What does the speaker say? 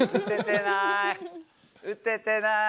打ててない。